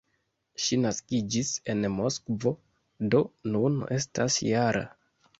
Ŝi naskiĝis en Moskvo, do nun estas -jara.